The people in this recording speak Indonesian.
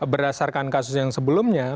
berdasarkan kasus yang sebelumnya